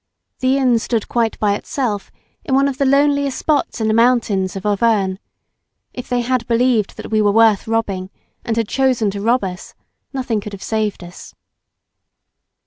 The inn stood quite by itself in one of the loneliest spots in the mountains of Auvergnes. If they had believed that we were worth robbing, and had chosen to rob us, nothing could have saved us.